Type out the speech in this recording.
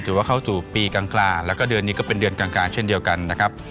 ถือว่าเข้าสู่ปีกลางแล้วก็เดือนนี้ก็เป็นเดือนกลางเช่นเดียวกันนะครับ